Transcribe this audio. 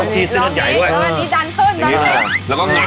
อันนี้ดันขึ้มดันขึ้ม